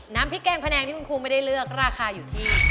น้ำพริกแกงพะแงงที่คุณครูไม่ได้เลือกราคาอยู่ที่